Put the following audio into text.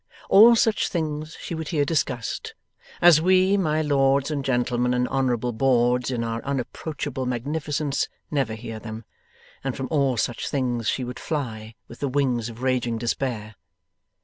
All such things she would hear discussed, as we, my lords and gentlemen and honourable boards, in our unapproachable magnificence never hear them, and from all such things she would fly with the wings of raging Despair.